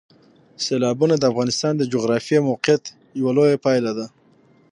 سیلابونه د افغانستان د جغرافیایي موقیعت یوه لویه پایله ده.